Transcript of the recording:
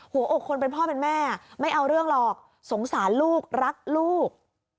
หัวอกคนเป็นพ่อเป็นแม่ไม่เอาเรื่องหรอกสงสารลูกรักลูก